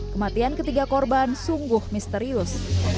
kematian ketiga korban sungguh misterius